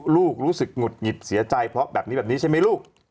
ลูกรู้สึกหงุดหงิดเสียใจเพราะแบบนี้ใช่ไหมลูก